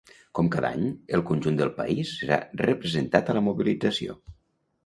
Com cada any, el conjunt del país serà representat a la mobilització.